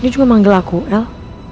dia juga manggil aku l